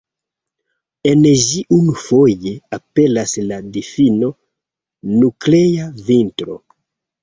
En ĝi unuafoje aperas la difino Nuklea Vintro.